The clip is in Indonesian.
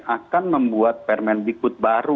akan membuat permendikut baru